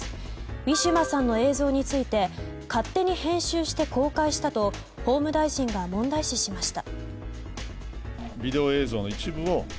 ウィシュマさんの映像について勝手に編集して公開したと法務大臣が問題視しました。